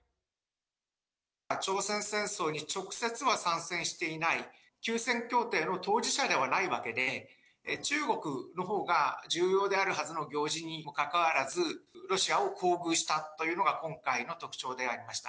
朝鮮戦争に直接は参戦していない、休戦協定の当事者ではないわけで、中国のほうが重要であるはずの行事にもかかわらず、ロシアを厚遇したというのが今回の特徴でありました。